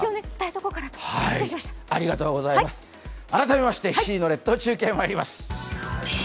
改めまして７時の列島中継まいります。